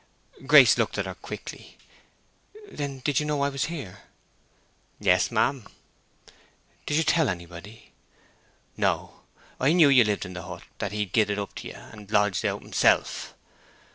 Grace looked at her quickly. "Then did you know I was here?" "Yes, ma'am." "Did you tell anybody?" "No. I knew you lived in the hut, that he had gied it up to ye, and lodged out himself."